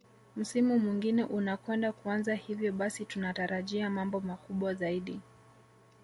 Msimu mwingine unakwenda kuanza hivyo basi tunatarajia mambo makubwa zaidi